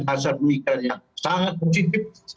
hasil pemikiran yang sangat positif